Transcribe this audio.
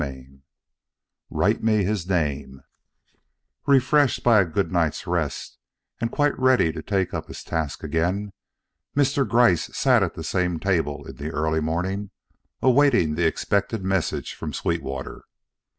XIII "WRITE ME HIS NAME" Refreshed by a good night's rest and quite ready to take up his task again, Mr. Gryce sat at the same table in the early morning, awaiting the expected message from Sweetwater.